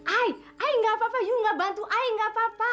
ayah ayah nggak apa apa yuk enggak bantu ayah nggak apa apa